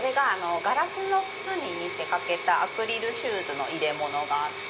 ガラスの靴に見せかけたアクリルシューズの入れ物があって。